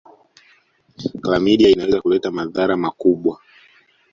klamidia inaweza kuleta madhara makubwa